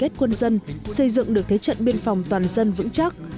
quả đó đã củng cố mối quan hệ đoàn kết quân dân xây dựng được thế trận biên phòng toàn dân vững chắc